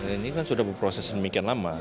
ini kan sudah berproses demikian lama